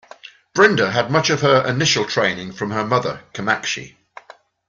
Brinda had much of her initial training from her mother Kamakshi.